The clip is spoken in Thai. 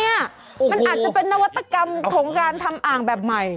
มันอาจจะเป็นนวัตกรรมของการทำอ่างแบบใหม่